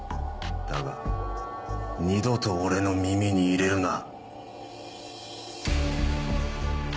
だが二度と俺の耳に入れるな。